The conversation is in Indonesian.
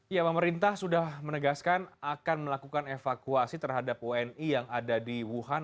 ya pemerintah sudah menegaskan akan melakukan evakuasi terhadap wni yang ada di wuhan